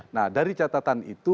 nah dari catatan itu